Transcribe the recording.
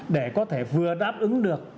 để có thể vừa đáp ứng được